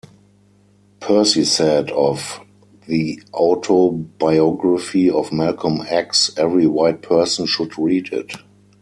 Percy said of "The Autobiography of Malcolm X", "Every white person should read it.